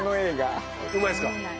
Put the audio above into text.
うまいっすか？